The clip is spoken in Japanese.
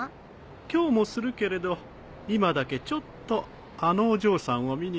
今日もするけれど今だけちょっとあのお嬢さんを見に来たんです。